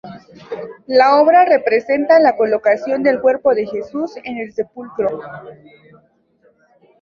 La obra representa la colocación del cuerpo de Jesús en el sepulcro.